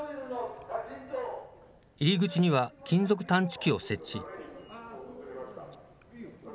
入り口には金属探知機を設置。